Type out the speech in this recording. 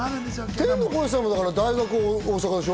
天の声さん大学、大阪でしょ？